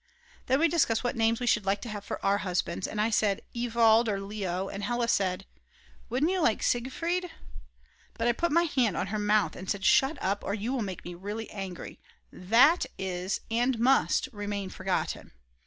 Then we discussed what names we should like to have for our husbands, and I said: Ewald or Leo, and Hella said: Wouldn't you like Siegfried? But I put my hand on her mouth and said: "Shut up, or you will make me really angry, that is and must remain forgotten."